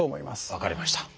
分かりました。